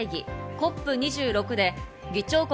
ＣＯＰ２６で議長国